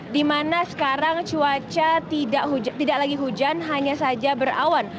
di mana sekarang cuaca tidak lagi hujan hanya saja berawan